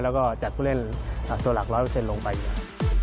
แล้วก็จัดผู้เล่นตัวหลัก๑๐๐ลงไปครับ